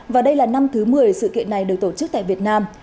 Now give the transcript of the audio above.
và đây là năm thứ một mươi sự kiện này được tổ chức tại việt nam